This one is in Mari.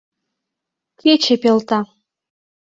Кече пелта.